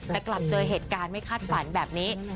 แต่กลับเจอเหตุการณ์ไม่คาดฝันแบบนี้